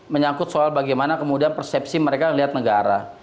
menyangkut soal bagaimana kemudian persepsi mereka melihat negara